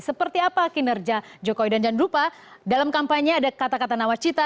seperti apa kinerja jokowi dan jan rupa dalam kampanye ada kata kata nawacita